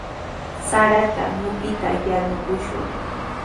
Sarata mutita yanukushun.